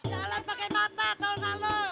jalan pake mata tau gak lo